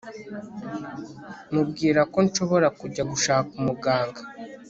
mubwira ko nshobora kujya gushaka umuganga